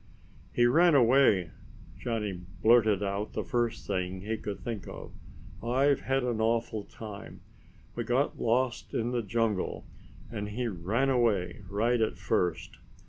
"He ran away." Johnny blurted out the first thing he could think of. "I've had an awful time. We got lost in the jungle and he ran away, right at first.